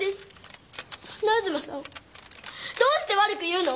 そんな東さんをどうして悪く言うの？